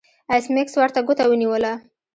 ایس میکس ورته ګوته ونیوله